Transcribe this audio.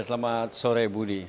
selamat sore budi